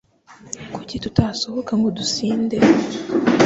Kuki tutasohoka ngo dusinde?